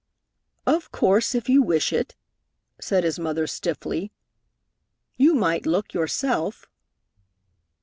"Of course, if you wish it," said his mother stiffly. "You might look, yourself."